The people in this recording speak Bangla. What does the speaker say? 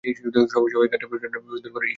সবাই গা-টেপাটেপি করে বলে, ইস, এখনই এত দরদ!